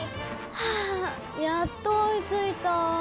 はぁやっと追いついたぁ。